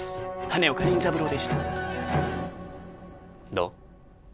羽根岡任三郎でしたどう？